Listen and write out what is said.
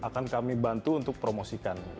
akan kami bantu untuk promosikan di talentika